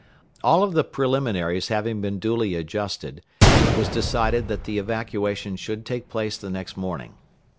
All of the preliminaries having been duly adjusted, it was decided that the evacuation should take place the next morning.